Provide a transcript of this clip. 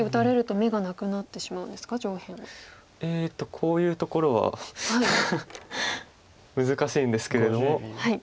こういうところは難しいんですけれども。